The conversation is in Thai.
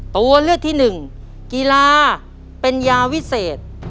ตัวเลือดที่๑กีฬาเป็นยาวิเศษ